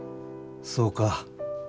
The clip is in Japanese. そうか。